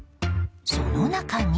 その中に。